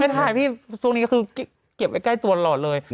ถ่ายพี่ช่วงนี้ก็คือเก็บไว้ใกล้ตัวตลอดเลย